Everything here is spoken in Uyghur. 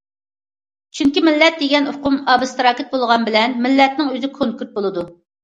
چۈنكى مىللەت دېگەن ئۇقۇم ئابستراكت بولغان بىلەن، مىللەتنىڭ ئۆزى كونكرېت بولىدۇ.